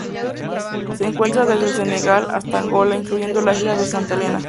Se encuentra desde el Senegal hasta Angola, incluyendo la isla de Santa Helena.